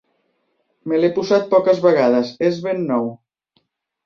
Me l'he posat poques vegades: és ben nou.